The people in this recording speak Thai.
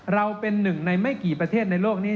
เราเป็นหนึ่งในไม่กี่ประเทศในโลกนี้